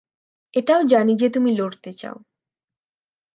এটাও জানি যে তুমি লড়তে চাও!